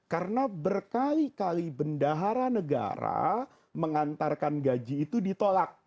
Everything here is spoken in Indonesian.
karena berkali kali bendahara negara mengantarkan gaji itu ditolak